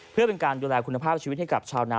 เพื่อเป็นการดูแลคุณภาพชีวิตให้กับชาวนา